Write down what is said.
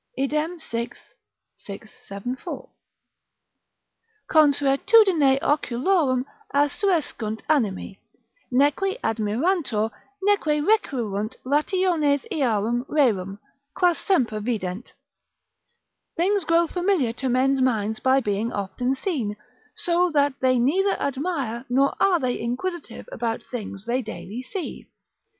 Idem, vi. 674.] "Consuetudine oculorum assuescunt animi, neque admirantur, neque requirunt rationes earum rerum, quas semper vident." ["Things grow familiar to men's minds by being often seen; so that they neither admire nor are they inquisitive about things they daily see."